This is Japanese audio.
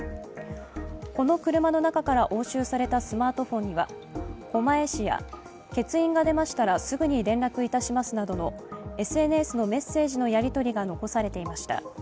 この車の中から押収されたスマートフォンには「狛江市」や「欠員が出ましたらすぐに連絡いたします」などのＳＮＳのメッセージのやり取りが残されていました。